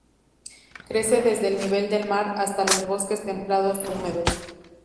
Crece desde el nivel del mar hasta los bosques templados húmedos.